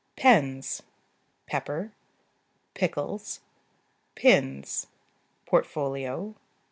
Pens. Pepper. Pickles. Pins. Portfolio.